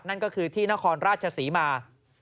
นั่นก็คือที่นครราชศรีมา